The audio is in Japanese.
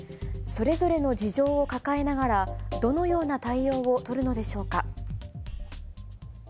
それぞれの事情を抱えながら、どのような対応を取るのでしょうか。